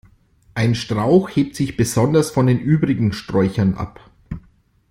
Ein Strauch hebt sich besonders von den übrigen Sträuchern ab.